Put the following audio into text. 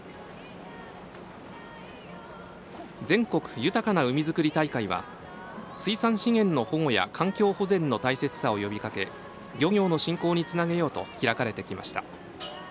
「全国豊かな海づくり大会」は水産資源の保護や環境保全の大切さを呼びかけ漁業の振興につなげようと開かれてきました。